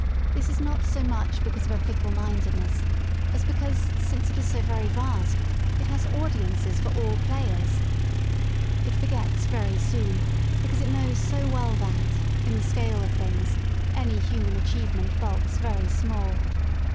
This is not so much because of a fickle mi ndedness as because since it is so vast it has audiences for all players. It forgets very soon, because it knows so well that, in the scale of things, any human achievement bulks very small.